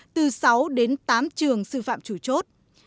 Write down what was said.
từ sáu đến tám trường sư phạm chủ chốt